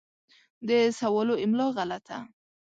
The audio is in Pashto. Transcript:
د سوالو املا غلطه